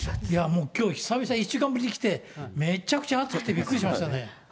もうきょう久々、１週間ぶりに来て、めちゃくちゃ暑くてびっくりしましたね。